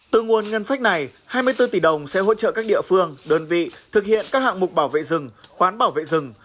từ nguồn ngân sách này hai mươi bốn tỷ đồng sẽ hỗ trợ các địa phương đơn vị thực hiện các hạng mục bảo vệ rừng khoán bảo vệ rừng